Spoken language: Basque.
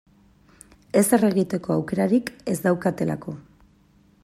Ezer egiteko aukerarik ez daukatelako.